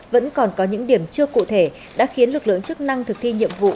vẫn còn có những điểm chưa cụ thể đã khiến lực lượng chức năng thực thi nhiệm vụ